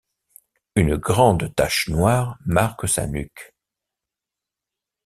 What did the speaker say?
Une grande tache noire marque sa nuque.